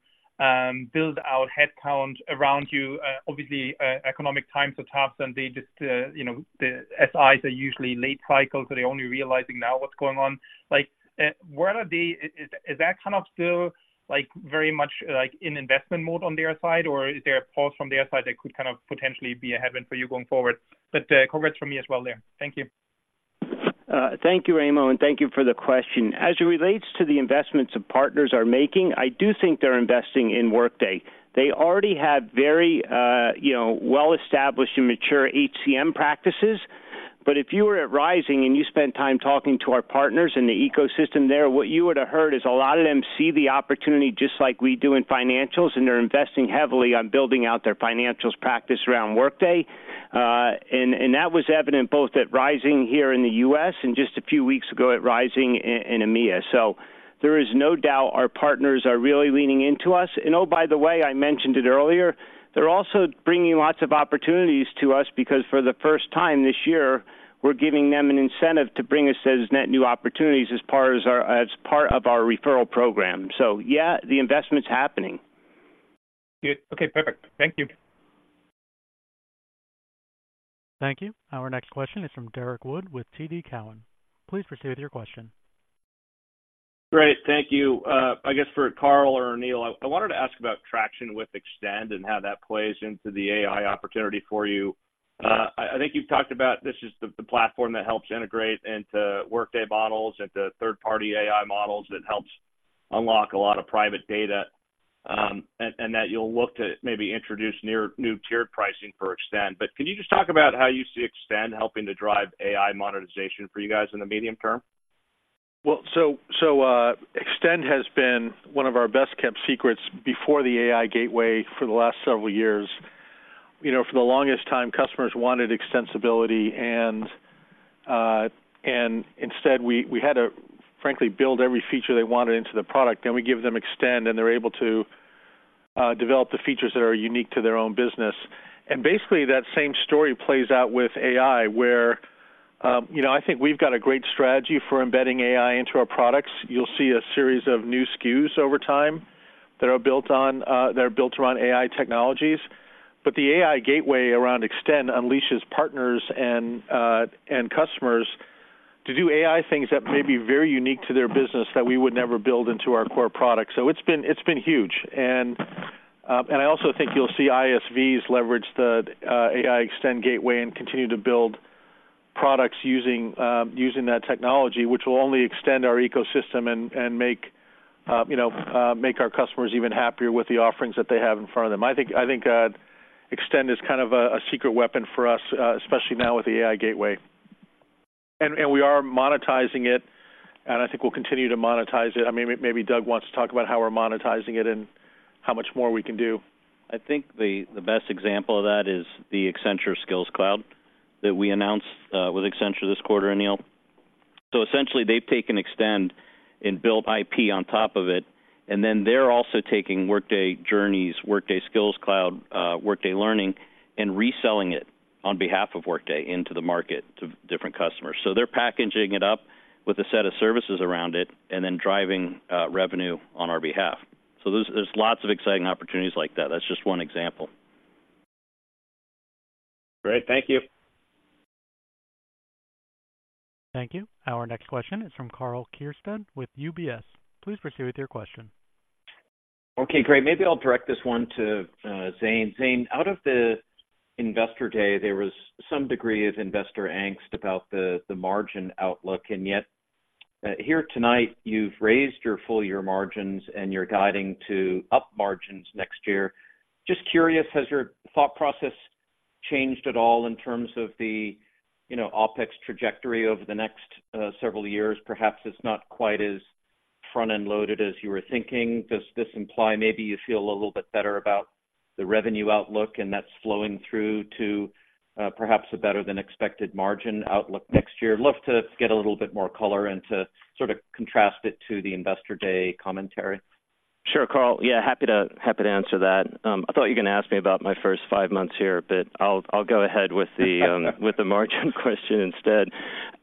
Speaker 13: build out headcount around you? Obviously, economic times are tough, and they just, you know, the SIs are usually late cycle, so they're only realizing now what's going on. Like, where are they-- Is that kind of still, like, very much like, in investment mode on their side, or is there a pause from their side that could kind of potentially be a headwind for you going forward? But, congrats from me as well there. Thank you.
Speaker 3: Thank you, Raimo, and thank you for the question. As it relates to the investments that partners are making, I do think they're investing in Workday. They already have very, you know, well-established and mature HCM practices. But if you were at Rising and you spent time talking to our partners in the ecosystem there, what you would have heard is a lot of them see the opportunity just like we do in financials, and they're investing heavily on building out their financials practice around Workday. And that was evident both at Rising here in the U.S. and just a few weeks ago at Rising in EMEA. So there is no doubt our partners are really leaning into us. Oh, by the way, I mentioned it earlier, they're also bringing lots of opportunities to us because for the first time this year, we're giving them an incentive to bring us those net new opportunities as part of our referral program. So yeah, the investment's happening.
Speaker 13: Good. Okay, perfect. Thank you.
Speaker 1: Thank you. Our next question is from Derrick Wood with TD Cowen. Please proceed with your question.
Speaker 14: Great, thank you. I guess for Carl or Aneel, I wanted to ask about traction with Extend and how that plays into the AI opportunity for you. I think you've talked about this is the platform that helps integrate into Workday models, into third-party AI models, that helps unlock a lot of private data, and that you'll look to maybe introduce new tiered pricing for Extend. But can you just talk about how you see Extend helping to drive AI monetization for you guys in the medium term?
Speaker 4: Well, so, Extend has been one of our best-kept secrets before the AI Gateway for the last several years. You know, for the longest time, customers wanted extensibility, and instead, we had to, frankly, build every feature they wanted into the product. Then we give them Extend, and they're able to develop the features that are unique to their own business. And basically, that same story plays out with AI, where, you know, I think we've got a great strategy for embedding AI into our products. You'll see a series of new SKUs over time that are built on, that are built around AI technologies. But the AI Gateway around Extend unleashes partners and customers to do AI things that may be very unique to their business that we would never build into our core product. So it's been huge. And I also think you'll see ISVs leverage the AI Extend gateway and continue to build products using that technology, which will only extend our ecosystem and make you know make our customers even happier with the offerings that they have in front of them. I think Extend is kind of a secret weapon for us, especially now with the AI Gateway. And we are monetizing it, and I think we'll continue to monetize it. I mean, maybe Doug wants to talk about how we're monetizing it and how much more we can do.
Speaker 9: I think the best example of that is the Accenture Skills Cloud that we announced with Accenture this quarter, Aneel. So essentially, they've taken Extend and built IP on top of it, and then they're also taking Workday Journeys, Workday Skills Cloud, Workday Learning, and reselling it on behalf of Workday into the market to different customers. So they're packaging it up with a set of services around it and then driving revenue on our behalf. So there's lots of exciting opportunities like that. That's just one example.
Speaker 14: Great. Thank you.
Speaker 1: Thank you. Our next question is from Karl Keirstead with UBS. Please proceed with your question.
Speaker 15: Okay, great. Maybe I'll direct this one to, Zane. Zane, out of the Investor Day, there was some degree of investor angst about the, the margin outlook, and yet, here tonight, you've raised your full year margins, and you're guiding to up margins next year. Just curious, has your thought process changed at all in terms of the, you know, OpEx trajectory over the next, several years? Perhaps it's not quite as front-end loaded as you were thinking. Does this imply maybe you feel a little bit better about the revenue outlook, and that's flowing through to, perhaps a better-than-expected margin outlook next year? Love to get a little bit more color and to sort of contrast it to the Investor Day commentary.
Speaker 5: Sure, Carl. Yeah, happy to answer that. I thought you were going to ask me about my first five months here, but I'll go ahead with the margin question instead.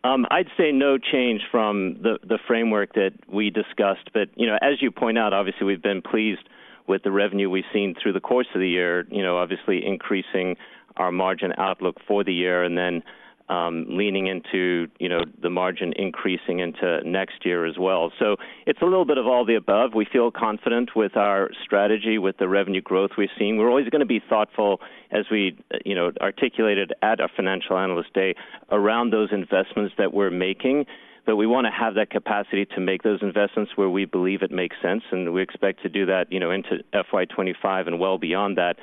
Speaker 5: I'd say no change from the framework that we discussed, but, you know, as you point out, obviously, we've been pleased with the revenue we've seen through the course of the year. You know, obviously increasing our margin outlook for the year and then leaning into, you know, the margin increasing into next year as well. So it's a little bit of all the above. We feel confident with our strategy, with the revenue growth we've seen. We're always going to be thoughtful, as we, you know, articulated at our Financial Analyst Day, around those investments that we're making, but we want to have that capacity to make those investments where we believe it makes sense, and we expect to do that, you know, into FY 2025 and well beyond that.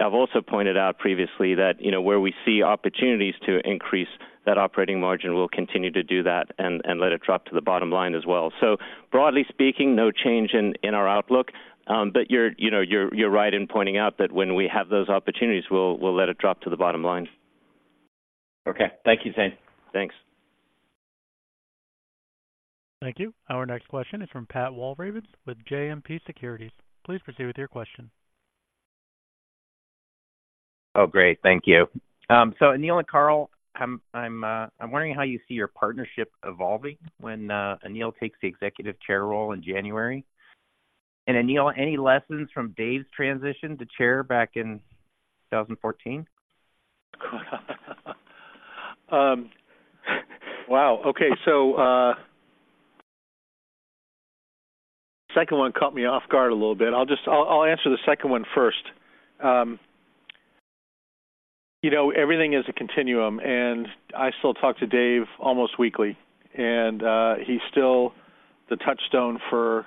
Speaker 5: I've also pointed out previously that, you know, where we see opportunities to increase that operating margin, we'll continue to do that and let it drop to the bottom line as well. So broadly speaking, no change in our outlook. But you're, you know, right in pointing out that when we have those opportunities, we'll let it drop to the bottom line.
Speaker 15: Okay. Thank you, Zane.
Speaker 5: Thanks.
Speaker 1: Thank you. Our next question is from Pat Walravens with JMP Securities. Please proceed with your question.
Speaker 16: Oh, great. Thank you. So Aneel and Carl, I'm wondering how you see your partnership evolving when Aneel takes the executive chair role in January. And, Aneel, any lessons from Dave's transition to chair back in 2014?
Speaker 4: Wow! Okay. So, second one caught me off guard a little bit. I'll just answer the second one first. You know, everything is a continuum, and I still talk to Dave almost weekly, and he's still the touchstone for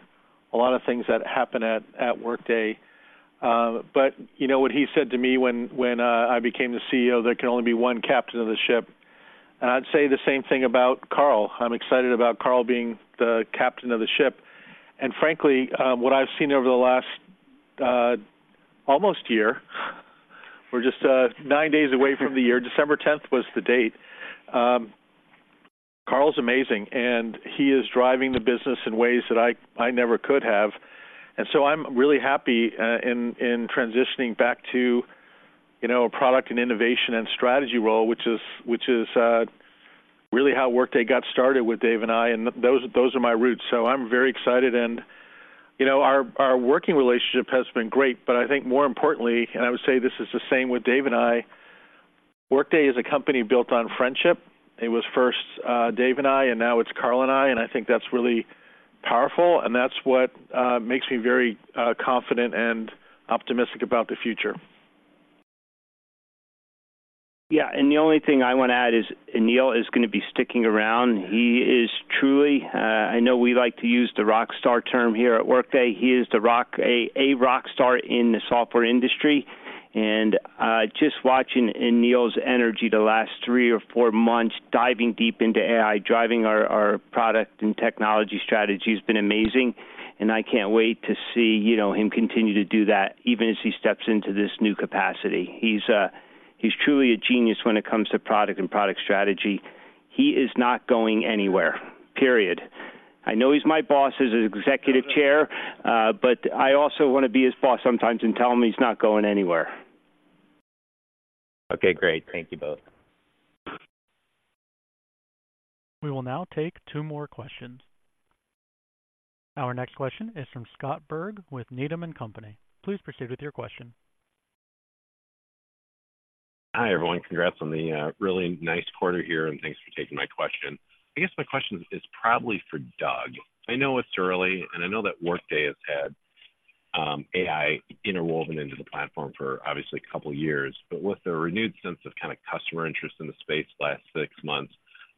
Speaker 4: a lot of things that happen at Workday. But you know what he said to me when I became the CEO, there can only be one captain of the ship, and I'd say the same thing about Carl. I'm excited about Carl being the captain of the ship. And frankly, what I've seen over the last almost year, we're just nine days away from the year. December tenth was the date. Carl's amazing, and he is driving the business in ways that I never could have. And so I'm really happy in transitioning back to, you know, a product and innovation and strategy role, which is really how Workday got started with Dave and I, and those are my roots. So I'm very excited. And, you know, our working relationship has been great, but I think more importantly, and I would say this is the same with Dave and I, Workday is a company built on friendship. It was first Dave and I, and now it's Carl and I, and I think that's really powerful, and that's what makes me very confident and optimistic about the future.
Speaker 3: Yeah, the only thing I want to add is Aneel is going to be sticking around. He is truly, I know we like to use the rock star term here at Workday. He is a rock star in the software industry, and just watching Aneel's energy the last three or four months, diving deep into AI, driving our product and technology strategy has been amazing, and I can't wait to see, you know, him continue to do that even as he steps into this new capacity. He's truly a genius when it comes to product and product strategy. He is not going anywhere, period. I know he's my boss as Executive Chair, but I also want to be his boss sometimes and tell him he's not going anywhere.
Speaker 16: Okay, great. Thank you both.
Speaker 1: We will now take two more questions. Our next question is from Scott Berg with Needham and Company. Please proceed with your question.
Speaker 17: Hi, everyone. Congrats on the really nice quarter here, and thanks for taking my question. I guess my question is probably for Doug. I know it's early, and I know that Workday has had AI interwoven into the platform for obviously a couple of years, but with the renewed sense of kind of customer interest in the space last six months,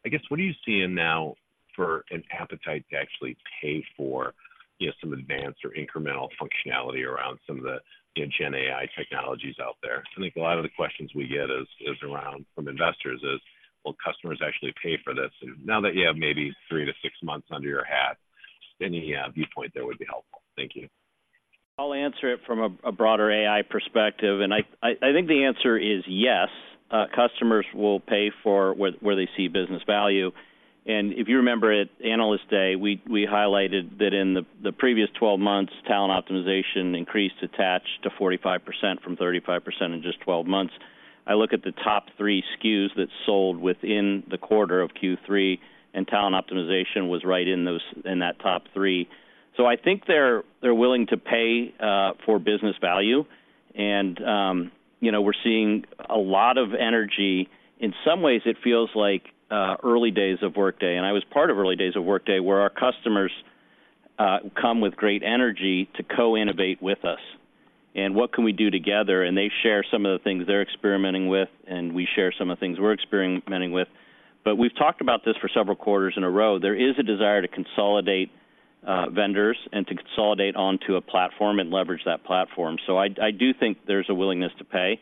Speaker 17: I guess, what are you seeing now for an appetite to actually pay for, you know, some advanced or incremental functionality around some of the GenAI technologies out there? I think a lot of the questions we get is, is around from investors, is, will customers actually pay for this? Now that you have maybe three to six months under your hat, any viewpoint there would be helpful. Thank you.
Speaker 9: I'll answer it from a broader AI perspective, and I think the answer is yes, customers will pay for where they see business value. And if you remember, at Analyst Day, we highlighted that in the previous 12 months, Talent Optimization increased attach to 45% from 35% in just 12 months. I look at the top three SKUs that sold within the quarter of Q3, and Talent Optimization was right in those, in that top three. So I think they're willing to pay for business value. And, you know, we're seeing a lot of energy. In some ways, it feels like early days of Workday, and I was part of early days of Workday, where our customers come with great energy to co-innovate with us. And what can we do together? They share some of the things they're experimenting with, and we share some of the things we're experimenting with. But we've talked about this for several quarters in a row. There is a desire to consolidate vendors and to consolidate onto a platform and leverage that platform. So I do think there's a willingness to pay,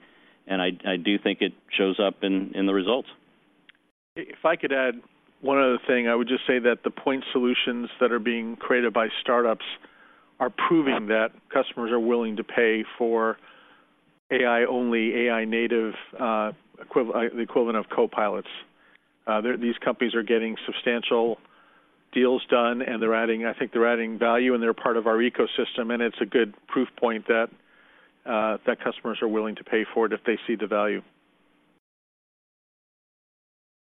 Speaker 9: and I do think it shows up in the results.
Speaker 4: If I could add one other thing, I would just say that the point solutions that are being created by startups are proving that customers are willing to pay for AI-only, AI-native, equivalent, the equivalent of copilots. These companies are getting substantial deals done, and they're adding, I think they're adding value, and they're part of our ecosystem, and it's a good proof point that that customers are willing to pay for it if they see the value.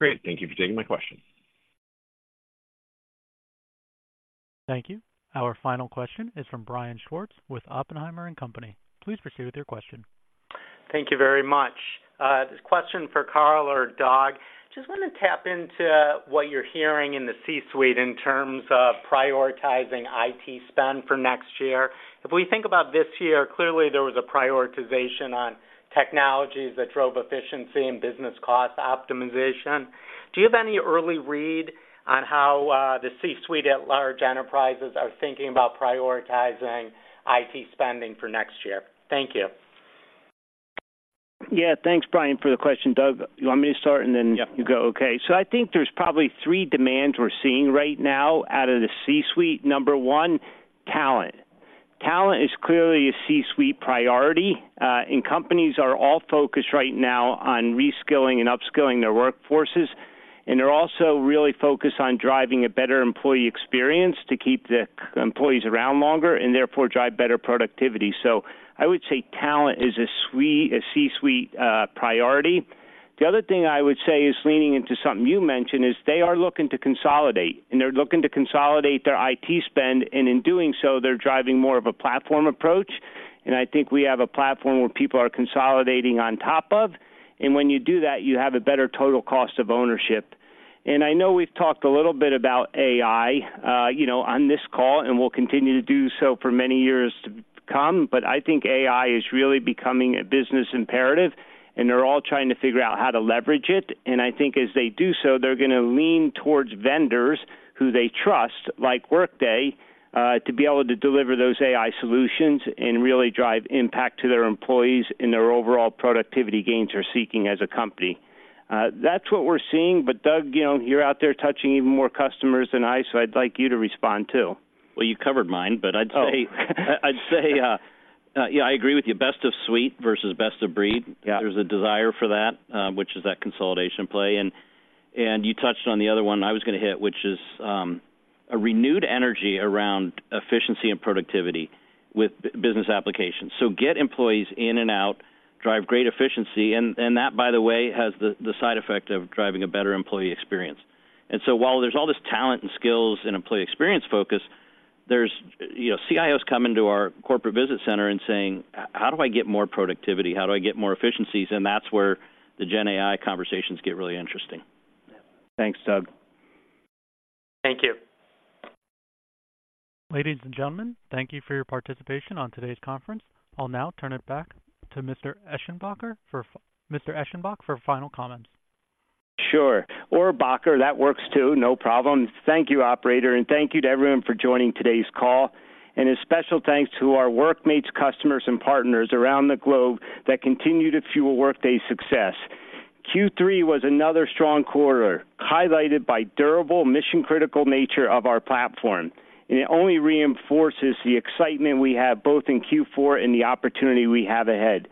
Speaker 17: Great. Thank you for taking my question.
Speaker 1: Thank you. Our final question is from Brian Schwartz with Oppenheimer & Co. Please proceed with your question.
Speaker 18: Thank you very much. This question for Carl or Doug, just want to tap into what you're hearing in the C-suite in terms of prioritizing IT spend for next year. If we think about this year, clearly there was a prioritization on technologies that drove efficiency and business cost optimization. Do you have any early read on how the C-suite at large enterprises are thinking about prioritizing IT spending for next year? Thank you.
Speaker 3: Yeah. Thanks, Brian, for the question. Doug, you want me to start and then you go? Okay. So I think there's probably three demands we're seeing right now out of the C-suite. Number one, talent. Talent is clearly a C-suite priority, and companies are all focused right now on reskilling and upskilling their workforces and they're also really focused on driving a better employee experience to keep the employees around longer and therefore drive better productivity. So I would say talent is a suite, a C-suite, priority. The other thing I would say is leaning into something you mentioned, is they are looking to consolidate, and they're looking to consolidate their IT spend, and in doing so, they're driving more of a platform approach. And I think we have a platform where people are consolidating on top of, and when you do that, you have a better total cost of ownership. I know we've talked a little bit about AI, you know, on this call, and we'll continue to do so for many years to come. But I think AI is really becoming a business imperative, and they're all trying to figure out how to leverage it. I think as they do so, they're gonna lean towards vendors who they trust, like Workday, to be able to deliver those AI solutions and really drive impact to their employees and their overall productivity gains they're seeking as a company. That's what we're seeing. But Doug, you know, you're out there touching even more customers than I, so I'd like you to respond, too.
Speaker 9: Well, you covered mine, but I'd say. I'd say, yeah, I agree with you. Best of suite versus best of breed. There's a desire for that, which is that consolidation play. And you touched on the other one I was going to hit, which is a renewed energy around efficiency and productivity with business applications. So get employees in and out, drive great efficiency, and that, by the way, has the side effect of driving a better employee experience. And so while there's all this talent and skills and employee experience focus, there's, you know, CIOs coming to our corporate visit center and saying: How do I get more productivity? How do I get more efficiencies? And that's where the GenAI conversations get really interesting.
Speaker 18: Yeah. Thanks, Doug.
Speaker 9: Thank you.
Speaker 1: Ladies and gentlemen, thank you for your participation on today's conference. I'll now turn it back to Mr. Eschenbach for final comments.
Speaker 3: Sure. Eschenbach, that works too. No problem. Thank you, operator, and thank you to everyone for joining today's call. And a special thanks to our Workmates, customers and partners around the globe that continue to fuel Workday's success. Q3 was another strong quarter, highlighted by durable mission-critical nature of our platform, and it only reinforces the excitement we have both in Q4 and the opportunity we have ahead.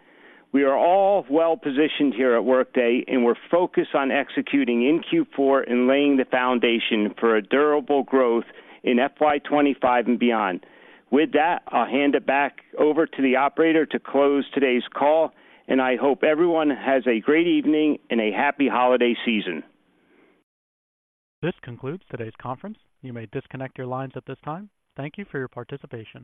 Speaker 3: We are all well positioned here at Workday, and we're focused on executing in Q4 and laying the foundation for a durable growth in FY 2025 and beyond. With that, I'll hand it back over to the operator to close today's call, and I hope everyone has a great evening and a happy holiday season.
Speaker 1: This concludes today's conference. You may disconnect your lines at this time. Thank you for your participation.